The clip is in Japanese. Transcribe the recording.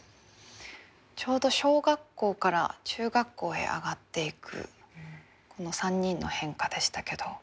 ちょうど小学校から中学校へ上がっていく３人の変化でしたけど。